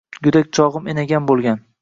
Gudak chogim enagam bulgan